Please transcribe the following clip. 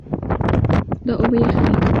دا اوبه یخې دي.